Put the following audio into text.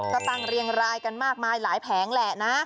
ก็ตั้งเรียงรายกันมากมายหลายแผงแหละนะ